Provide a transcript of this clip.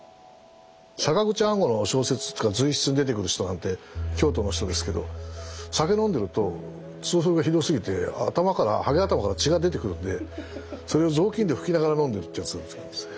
坂口安吾の小説とか随筆に出てくる人なんて京都の人ですけど酒飲んでると痛風がひどすぎて頭からはげ頭から血が出てくるんでそれを雑巾で拭きながら飲んでるってやつが。